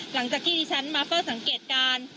หลังจากที่ดิฉันมาเฝ้าสังเกตการณ์